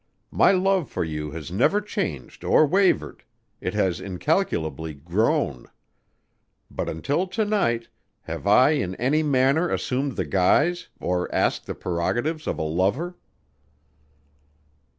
My love for you has never changed or wavered. It has incalculably grown. But, until to night, have I in any manner assumed the guise or asked the prerogatives of a lover?"